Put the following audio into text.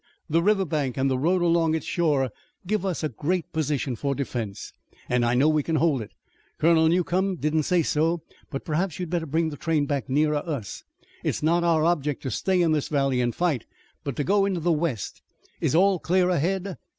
"The river bank, and the road along its shore give us a great position for defense, and I know we can hold it. Colonel Newcomb did not say so, but perhaps you'd better bring the train back nearer us. It's not our object to stay in this valley and fight, but to go into the west. Is all clear ahead?"